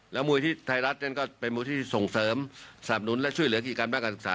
และมุยที่ไทยรัฐเป็นมุยที่ส่งเสริมสำนุนและช่วยเหลือกิจการแม่งอักษรศึกษา